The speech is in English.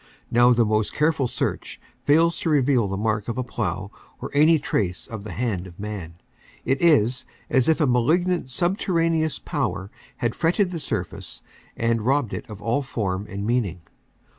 Now the most careful NO MAN S LAND 179 search fails to reveal the mark of a plow or any trace of the hand of man. It is as if a malignant subterraneous power had fretted the surface and robbed it of all form and meaning.